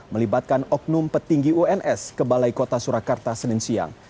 melibatkan oknum petinggi uns ke balai kota surakarta senin siang